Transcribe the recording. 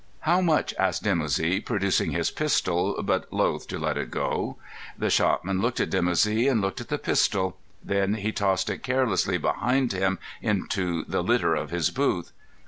"How much?" asked Dimoussi, producing his pistol, but loth to let it go. The shopman looked at Dimoussi, and looked at the pistol. Then he tossed it carelessly behind him into the litter of his booth.